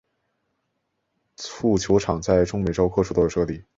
蹴球场在中美洲各处都有设立。